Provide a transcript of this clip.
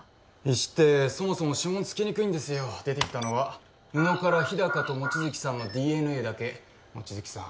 石ってそもそも指紋つきにくいんですよ出てきたのは布から日高と望月さんのＤＮＡだけ望月さん